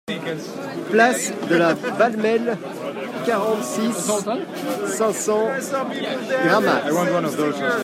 Place de la Balmelle, quarante-six, cinq cents Gramat